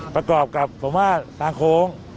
ประกอบกับผมว่าทางโค้ง